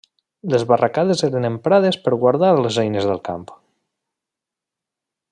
Les barraques eren emprades per guardar les eines del camp.